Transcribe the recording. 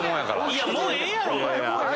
いやもうええやろ！